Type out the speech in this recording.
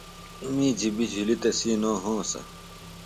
می جِپی جُھلیۡ تسی نو ہونسہ۔